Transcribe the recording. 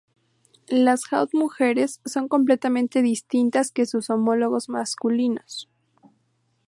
Las Haut-mujeres son completamente distintas que sus homólogos masculinos.